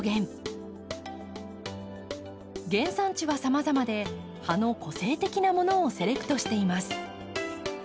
原産地はさまざまで葉の個性的なものをセレクトしています。